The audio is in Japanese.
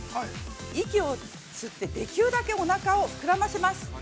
息を吸って、できるだけおなかを膨らませます。